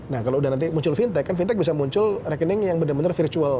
nah kalau udah nanti muncul fintech kan fintech bisa muncul rekening yang benar benar virtual